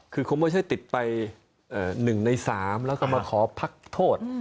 คือคงไม่ใช่ติดไป๑ใน๓แล้วก็มาขอพักโทษ